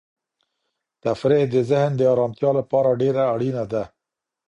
تفریح د ذهن د ارامتیا لپاره ډېره اړینه ده.